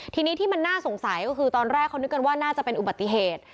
ทีนี้ที่มันน่าสงสัยก็คือตอนแรกเขานึกกันว่าน่าจะเป็นอุบัติเหตุ